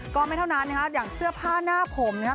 ก็ไม่เท่านั้นอย่างเสื้อผ้าหน้าโขมนะครั้ง